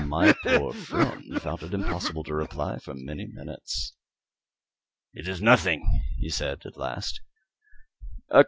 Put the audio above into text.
My poor friend found it impossible to reply for many minutes. "It is nothing," he said, at last.